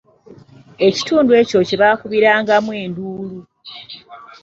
Ekitundu ekyo kye b'akubirangamu enduulu.